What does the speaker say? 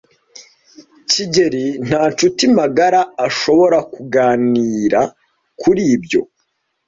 kigeli nta nshuti magara ashobora kuganira kuri ibyo.